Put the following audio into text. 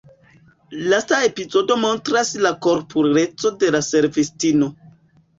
Lasta epizodo montras la korpurecon de la servistino.